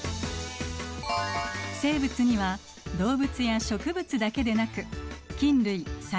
生物には動物や植物だけでなく菌類細菌類などがいます。